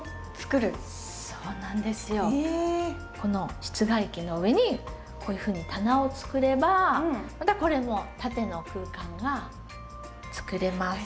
この室外機の上にこういうふうに棚を作ればまたこれも縦の空間が作れます。